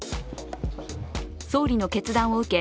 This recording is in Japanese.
総理の決断を受け